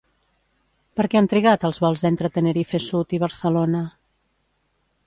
Per què han trigat els vols entre Tenerife Sud i Barcelona?